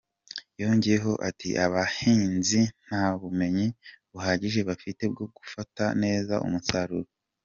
Yongeyeho ati “Abahinzi nta bumenyi buhagije bafite bwo gufata neza umusaruro.